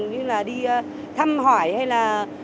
như là đi thăm hỏi hay là